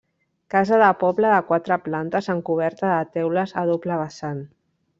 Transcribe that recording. Casa de poble de quatre plantes amb coberta de teules a doble vessant.